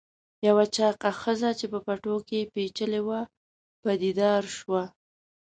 یوه چاغه ښځه چې په پټو کې پیچلې وه پدیدار شوه.